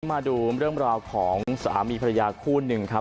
มาดูเรื่องราวของสามีภรรยาคู่หนึ่งครับ